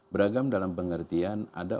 beragam dalam pengertian ada